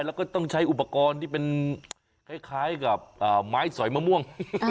แล้วก็ต้องใช้อุปกรณ์ที่เป็นคล้ายกับไม้สอยมะม่วง